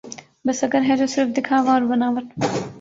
بس اگر ہے تو صرف دکھاوا اور بناوٹ